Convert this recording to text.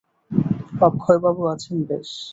অক্ষয়বাবু আছেন বেশ।